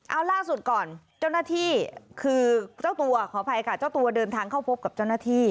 เอาล่าสุดก่อนเจ้าหน้าที่คือเจ้าตัวขออภัยค่ะเจ้าตัวเดินทางเข้าพบกับเจ้าหน้าที่